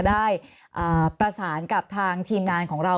ได้ประสานกับทางทีมงานของเรา